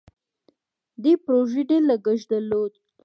دې پروژې ډیر لګښت درلود.